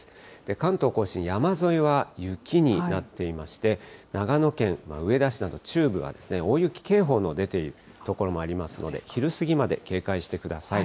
関東甲信、山沿いは雪になっていまして、長野県、上田市など中部は大雪警報の出ている所もありますので、昼過ぎまで警戒してください。